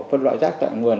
phân loại rác tạo nguồn